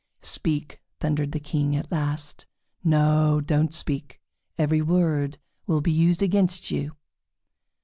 "Speak!" thundered the King at last. "No, do not speak! Every word will be used against you!"